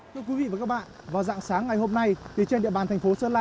thưa quý vị và các bạn vào dạng sáng ngày hôm nay trên địa bàn thành phố sơn la